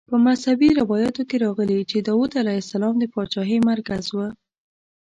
په مذهبي روایاتو کې راغلي چې د داود علیه السلام د پاچاهۍ مرکز وه.